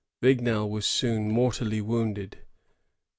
Vignal was soon mortally wounded.